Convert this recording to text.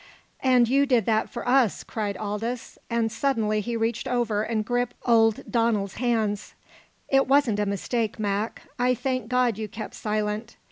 "And you did that for us," cried Aldous, and suddenly he reached over and gripped old Donald's hands. "It wasn't a mistake, Mac. I thank God you kept silent.